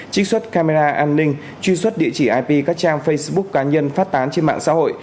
trích xuất camera an ninh truy xuất địa chỉ ip các trang facebook cá nhân phát tán trên mạng xã hội